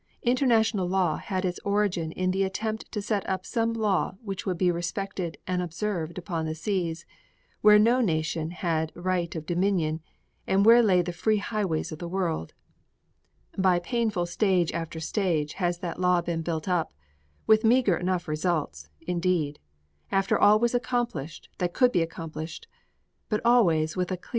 International law had its origin in the attempt to set up some law which would be respected and observed upon the seas, where no nation had right of dominion and where lay the free highways of the world. By painful stage after stage has that law been built up, with meager enough results, indeed, after all was accomplished that could be accomplished, but always with a clear view, at least, of what the heart and conscience of mankind demanded.